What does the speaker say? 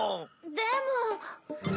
でも。